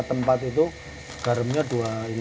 tempat itu garamnya dua ini